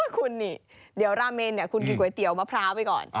คุณนี่เดี๋ยวราเมนคุณกินก๋วยเตี๋ยวมะพร้าวไปก่อน